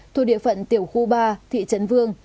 thuộc địa phận tiểu khu ba thị trấn vương